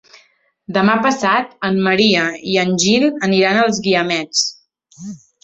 Demà passat en Maria i en Gil aniran als Guiamets.